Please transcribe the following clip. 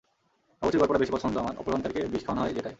বাবুর্চির গল্পটা বেশি পছন্দ আমার, অপহরণকারীকে বিষ খাওয়ানো হয় যেটায়।